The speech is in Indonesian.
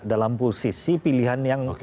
dalam posisi pilihan yang